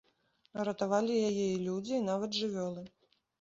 А ратавалі яе і людзі, і нават жывёлы!